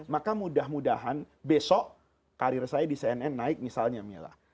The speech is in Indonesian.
maka mudah mudahan besok karir saya di cnn naik misalnya mila